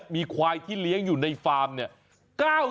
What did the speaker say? มีควายที่เลี้ยงอยู่ในฟาร์มเนี่ย